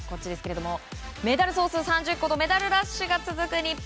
メダル総数３０個とメダルラッシュが続く日本。